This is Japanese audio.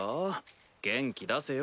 元気出せよ。